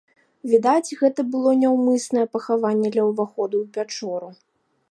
Відаць, гэта было наўмыснае пахаванне ля ўваходу ў пячору.